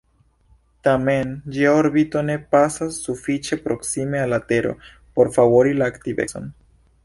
Tamen, ĝia orbito ne pasas sufiĉe proksime al la tero por favori la aktivecon.